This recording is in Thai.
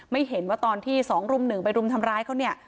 ไม่เห็นว่าตอนที่๒รุ่มหนึ่งไปรุมทำร้ายเขาเนี่ย